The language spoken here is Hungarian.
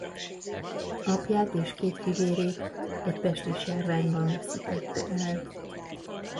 Apját és két fivérét egy pestisjárványban veszítette el.